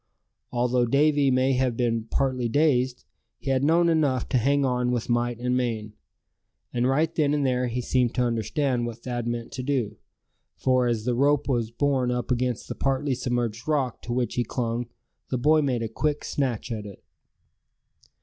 Although Davy may have been partly dazed, he had known enough to hang on with might and main. And right then and there he seemed to understand what Thad meant to do; for as the rope was borne up against the partly submerged rock to which he clung, the boy made a quick snatch at it.